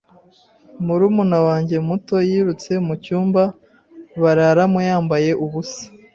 Murumuna wanjye muto yirutse mu cyumba bararamo yambaye ubusa.